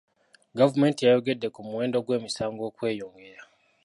Gavumenti yayogedde ku muwendo gw'emisango ogweyongera